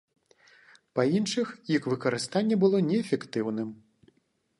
Па іншых, іх выкарыстанне было неэфектыўным.